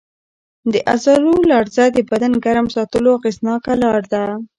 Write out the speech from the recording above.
د عضلو لړزه د بدن ګرم ساتلو اغېزناکه لار ده.